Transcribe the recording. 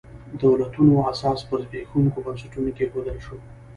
دولتونو اساس پر زبېښونکو بنسټونو کېښودل شو.